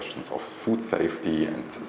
trong văn hóa văn hóa